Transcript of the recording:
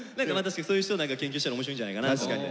そういう人を研究したら面白いんじゃないかなと思って。